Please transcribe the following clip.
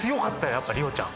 やっぱ莉央ちゃん